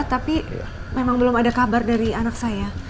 tapi memang belum ada kabar dari anak saya